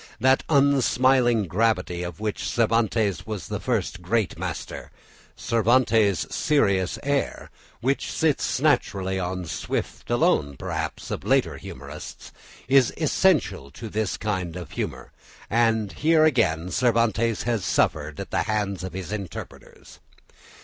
That unsmiling gravity of which Cervantes was the first great master, "Cervantes' serious air," which sits naturally on Swift alone, perhaps, of later humourists, is essential to this kind of humour, and here again Cervantes has suffered at the hands of his interpreters.